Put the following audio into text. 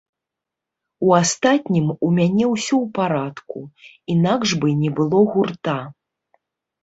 У астатнім, у мяне ўсе ў парадку, інакш бы не было гурта.